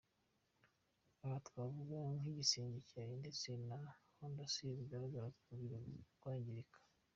Aha twavuga nk’igisenge cyayo ndetse na fondasiyo bigaragara ko biri kwangirika.